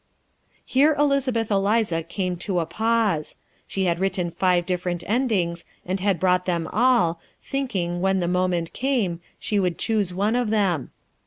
Here Elizabeth Eliza came to a pause. She had written five different endings, and had brought them all, thinking, when the moment came, she would choose one of them.